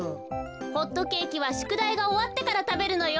ホットケーキはしゅくだいがおわってからたべるのよ。